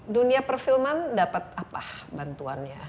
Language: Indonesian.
dunia perfilman dapat apa bantuannya